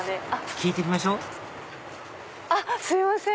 聞いてみましょあっすいません。